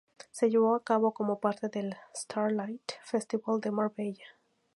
Se llevó a cabo como parte del Starlite Festival de Marbella.